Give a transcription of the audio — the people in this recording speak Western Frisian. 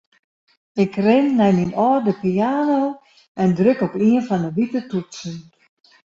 Ik rin nei myn âlde piano en druk op ien fan 'e wite toetsen.